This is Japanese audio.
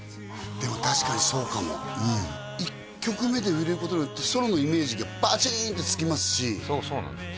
でも確かにそうかも１曲目で売れることによってソロのイメージがバチーンってつきますしそうなんですよ